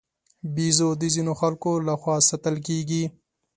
بیزو د ځینو خلکو له خوا ساتل کېږي.